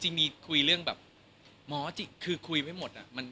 จริงมีคุยเรื่องแบบหมอคือถึงคุยไม่หมดน่ะ